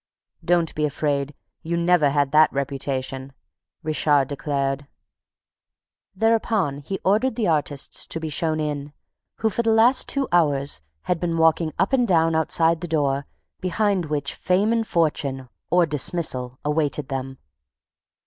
"Don't be afraid: you never had that reputation," Richard declared. Thereupon he ordered the artists to be shown in, who, for the last two hours, had been walking up and down outside the door behind which fame and fortune or dismissal awaited them.